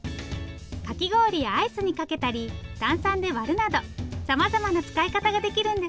かき氷やアイスにかけたり炭酸で割るなどさまざまな使い方ができるんですって。